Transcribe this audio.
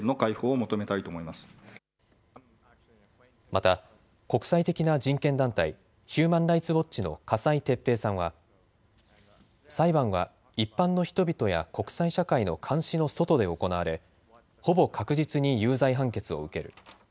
また国際的な人権団体、ヒューマン・ライツ・ウォッチの笠井哲平さんは裁判は一般の人々や国際社会の監視の外で行われほぼ確実に有罪判決を受ける。